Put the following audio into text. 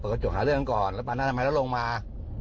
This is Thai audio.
กระจกหาเรื่องก่อนแล้วปานหน้าทำไมแล้วลงมา